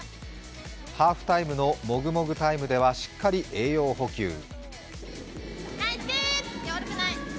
ハーフタイムのもぐもぐタイムではしっかり栄養補給。